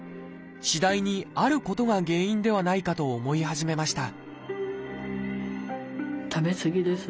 次第にあることが原因ではないかと思い始めました